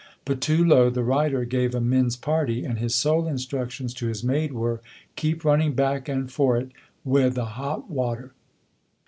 Patullo, the writer, gave a men's party, and his sole instructions to his maid were "Keep running back and forrit wi' the hot water."